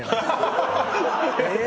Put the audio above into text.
え！